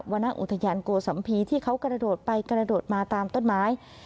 วรรณอุทยานโกสัมภีร์ที่เขากระโดดไปกระโดดมาตามต้นไม้